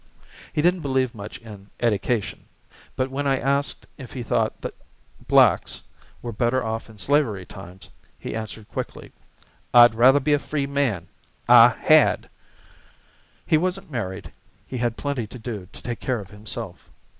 He didn't believe much in "edication;" but when I asked if he thought the blacks were better off in slavery times, he answered quickly, "I'd rather be a free man, I had." He wasn't married; he had plenty to do to take care of himself.